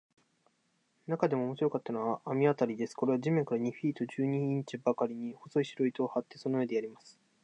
なかでも面白かったのは、綱渡りです。これは地面から二フィート十二インチばかりに、細い白糸を張って、その上でやります。